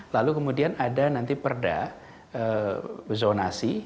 lalu kemudian ada nanti perda zonasi